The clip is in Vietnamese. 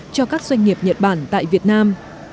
cho các doanh nghiệp nhật bản tại việt nam